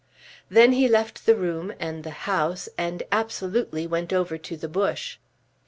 Then he left the room and the house, and absolutely went over to the Bush.